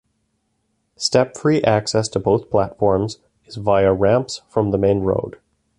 Step-free access to both platforms is via ramps from the main road.